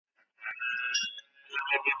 تاسو باید خپل امانت په پوره صداقت سره وساتئ.